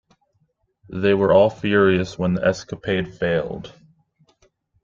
They were all furious when the escapade failed.